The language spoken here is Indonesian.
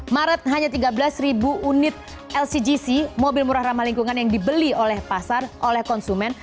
maret hanya tiga belas ribu unit lcgc mobil murah ramah lingkungan yang dibeli oleh pasar oleh konsumen